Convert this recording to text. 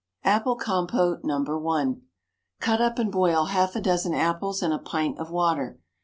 Apple Compote No. 1. Cut up and boil half a dozen apples in a pint of water.